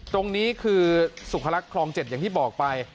ตรงนี้คือสุขลักษณ์คลอง๗อย่างที่บอกไป